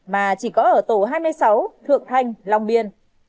mà chỉ có ở tổ hai mươi sáu thượng thanh long biên